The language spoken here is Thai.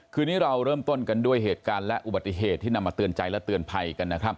คืนนี้เราเริ่มต้นกันด้วยเหตุการณ์และอุบัติเหตุที่นำมาเตือนใจและเตือนภัยกันนะครับ